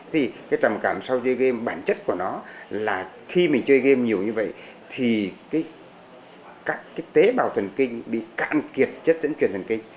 thì cái trầm cảm sau chơi game bản chất của nó là khi mình chơi game nhiều như vậy thì các cái tế bào thần kinh bị cạn kiệt chất dẫn truyền thần kinh